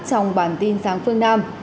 trong bản tin sáng phương nam